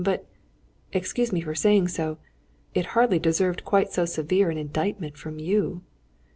But excuse me for saying so it hardly deserved quite so severe an indictment from you."